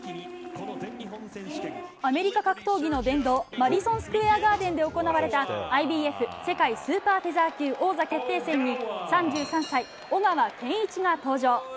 アメリカ格闘技の殿堂マディソン・スクエア・ガーデンで行われたＩＢＦ世界スーパーフェザー級王座決定戦に３３歳、尾川堅一が登場。